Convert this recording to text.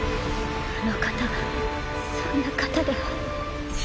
あの方はそんな方では。